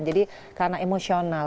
jadi karena emosional